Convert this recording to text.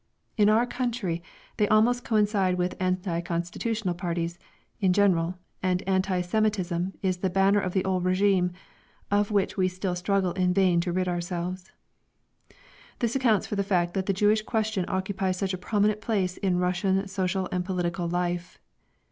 In our country they almost coincide with anti constitutional parties, in general, and anti Semitism is the banner of the old régime, of which we still struggle in vain to rid ourselves. This accounts for the fact that the Jewish question occupies such a prominent place in Russian social and political life.